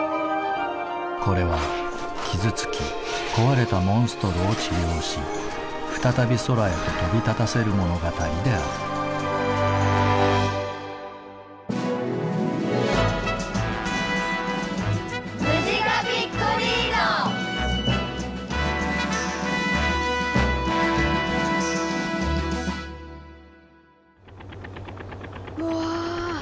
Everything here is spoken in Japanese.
これは傷つき壊れたモンストロを治療し再び空へと飛び立たせる物語であるわぁ！